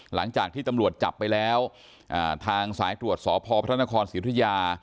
หลังจากที่ตำรวจจับไปแล้วทางสายตรวจสพพระนครศิริยา